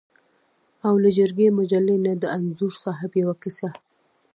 او له جرګې مجلې نه د انځور صاحب یوه کیسه.